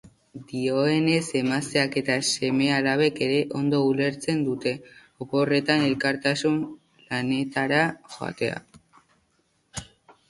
Dioenez, emazteak eta seme-alabek ere ondo ulertzen dute oporretan elkartasun lanetara joatea.